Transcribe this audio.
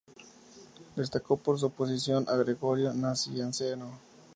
Destacó por su oposición a Gregorio Nacianceno.